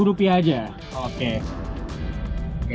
lima ribu rupiah aja oke terima kasih ibu